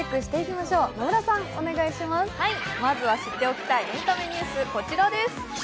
まずは知っておきたいエンタメにュース、こちらです。